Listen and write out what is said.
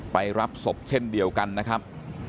ไปรับศพเช่นเดียวกันนะครับ